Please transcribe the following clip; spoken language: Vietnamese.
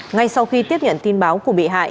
ngay sau khi tiếp nhận tin báo của bị hại